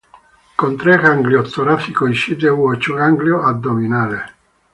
Con tres ganglios torácicos y siete u ocho ganglios abdominales.